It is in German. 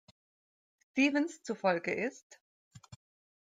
Stevens zufolge ist